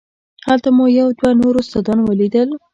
هلته مو یو دوه نور استادان ولیدل.